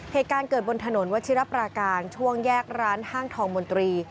เหตุการณ์เกิดบนถนนวัชิรปราการช่วงแยกร้านห้างทองมนตรี